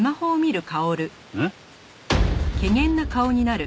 うん？